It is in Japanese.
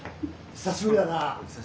久しぶりだな。